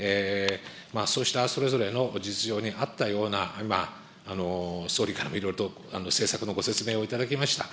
そうしたそれぞれの実情に合ったような、今、総理からも今いろいろと政策のご説明をいただきました。